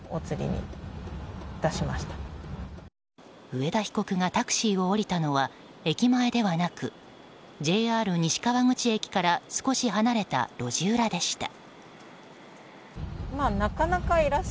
上田被告がタクシーを降りたのは駅前ではなく、ＪＲ西川口駅から少し離れた路地裏でした。